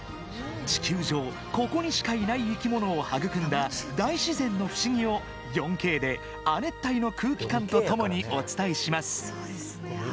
地球上、ここにしかいない生き物を育んだ大自然の不思議を４Ｋで亜熱帯の空気感とともにお伝えします。